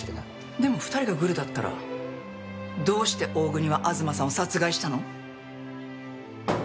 でも２人がグルだったらどうして大國は東さんを殺害したの？